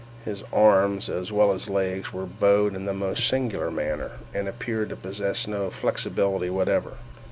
His arms, as well as legs, were bowed in the most singular manner, and appeared to possess no flexibility whatever.